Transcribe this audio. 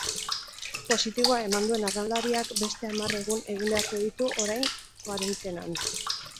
Positiboa eman duen arraunlariak beste hamar egun egin beharko ditu orain koarentenan.